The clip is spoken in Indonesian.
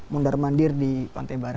mundar mandir di pantai barat